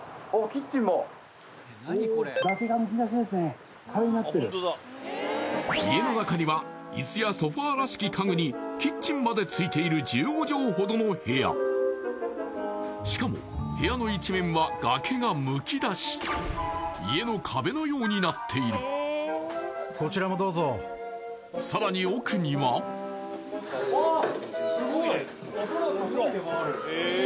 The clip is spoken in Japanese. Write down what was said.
キッチンも家の中には椅子やソファーらしき家具にキッチンまでついている１５畳ほどの部屋しかも部屋の一面は崖がむき出し家の壁のようになっているさらに奥にはあっ